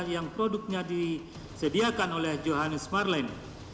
yang produknya disediakan oleh johannes marlen